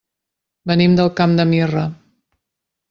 Venim del Camp de Mirra.